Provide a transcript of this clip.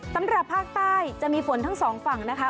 สำหรับภาคใต้จะมีฝนทั้งสองฝั่งนะคะ